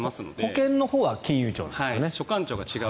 保険のほうは金融庁なんですよね。